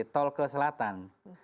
tol ke selatan